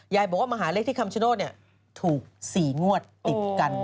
บอกว่ามหาเลขที่คำชโนธถูก๔งวดติดกัน